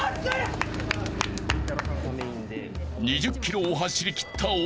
［２０ｋｍを走りきった太田］